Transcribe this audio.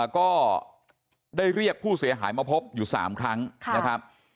ก็ได้เรียกผู้เสียหายมาพบอยู่๓ครั้งนะครับ